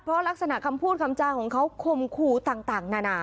เพราะลักษณะคำพูดคำจาของเขาคมคู่ต่างนานา